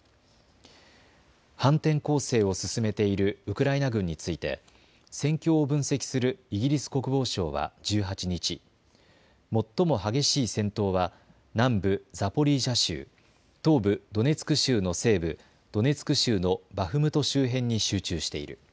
反転攻勢を進めているウクライナ軍について戦況を分析するイギリス国防省は１８日、最も激しい戦闘は南部ザポリージャ州、東部ドネツク州の西部、ドネツク州のバフムト周辺に集中している。